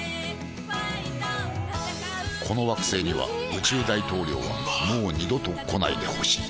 この惑星には宇宙大統領はもう二度と来ないでほしい虹！